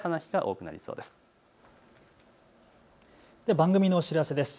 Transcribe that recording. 番組のお知らせです。